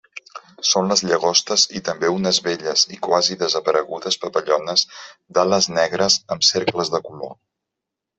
Són les llagostes, i també unes belles i quasi desaparegudes papallones d'ales negres amb cercles de color.